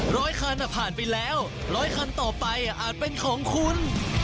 ร้อยคันผ่านไปแล้วร้อยคันต่อไปอาจเป็นของคุณ